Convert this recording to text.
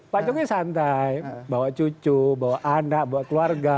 pak jokowi santai bawa cucu bawa anak bawa keluarga